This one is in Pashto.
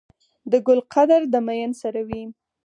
د ګل قدر د ميئن سره وي.